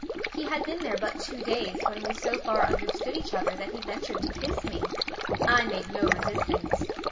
He had been there but two days when we so far understood each other that he ventured to kiss me. I made no resistance.